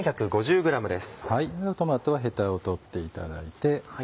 トマトはヘタを取っていただいて。